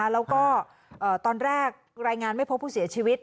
แล้วก็ตอนแรกรายงานไม่พบผู้เสียชีวิต